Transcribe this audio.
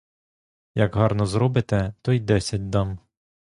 Як гарно зробите, то й десять дам.